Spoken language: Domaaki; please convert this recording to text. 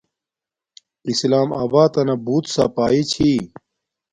اسلام آباتنا بوت ساپاݵی چھی